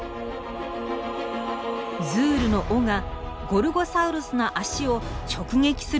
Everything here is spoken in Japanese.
ズールの尾がゴルゴサウルスの脚を直撃する瞬間です。